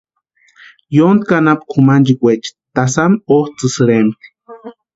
Yotki anapu kʼumanchikwaecha tasami otsʼïsïrempti.